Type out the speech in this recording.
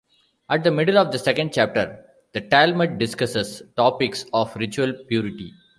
At the middle of the second chapter, the Talmud discusses topics of ritual purity.